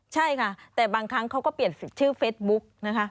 ใช่ค่ะแต่บางครั้งเขาก็เปลี่ยนชื่อเฟซบุ๊กนะคะ